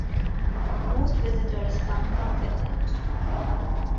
Most visitors come from Finland.